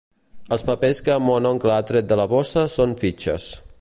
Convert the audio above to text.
Els papers que mon oncle ha tret de la bossa són fitxes.